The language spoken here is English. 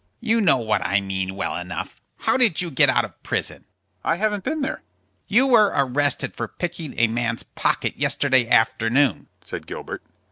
"You know what I mean, well enough. How did you get out of prison?" "I haven't been there." "You were arrested for picking a man's pocket yesterday afternoon," said Gilbert.